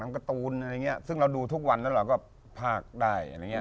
การ์ตูนอะไรอย่างนี้ซึ่งเราดูทุกวันแล้วเราก็ภาคได้อะไรอย่างเง